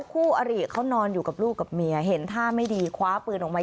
คู่อริเขานอนอยู่กับลูกกับเมียเห็นท่าไม่ดีคว้าปืนออกมา